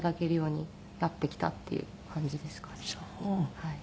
はい。